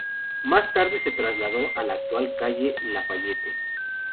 Más tarde se trasladó a la actual calle Lafayette.